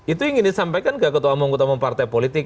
itu ingin disampaikan ke ketua umum ketua umum partai politik